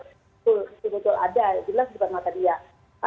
sebetul betul ada jelas di depan mata dia